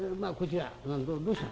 「どうした？」。